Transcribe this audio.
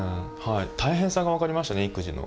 大変さが分かりましたね育児の。